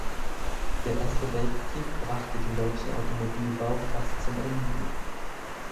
Der Erste Weltkrieg brachte den deutschen Automobilbau fast zum Erliegen.